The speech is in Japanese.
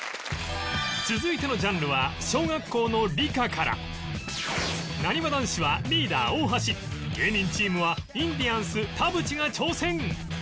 続いてのジャンルはなにわ男子はリーダー大橋芸人チームはインディアンス田渕が挑戦